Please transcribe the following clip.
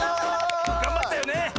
がんばったよね！